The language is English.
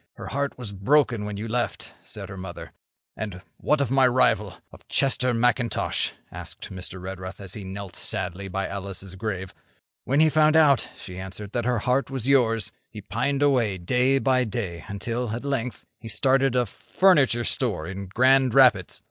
'Her heart was broken when you left,' said her mother. 'And what of my rival—of Chester McIntosh?' asked Mr. Redruth, as he knelt sadly by Alice's grave. 'When he found out,' she answered, 'that her heart was yours, he pined away day by day until, at length, he started a furniture store in Grand Rapids.